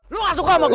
lu gak suka sama gue